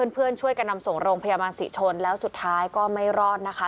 เพื่อนช่วยกันนำส่งโรงพยาบาลศรีชนแล้วสุดท้ายก็ไม่รอดนะคะ